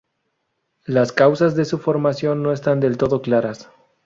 Las causas de su formación no están del todo claras.